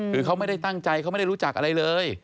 คือเขาไม่ได้ตั้งใจเขาไม่ได้รู้จักอะไรเลย